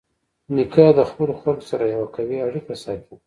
نیکه د خپلو خلکو سره یوه قوي اړیکه ساتي.